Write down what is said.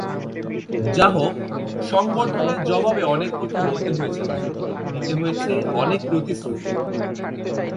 যাহোক, সংবর্ধনার জবাবে অনেক কথা বলতে হয়েছে তাঁকে, দিতে হয়েছে অনেক প্রতিশ্রুতি।